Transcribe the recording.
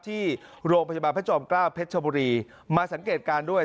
ที่โรงพยาบาลพระจอมเกล้าเพชรชบุรีมาสังเกตการณ์ด้วย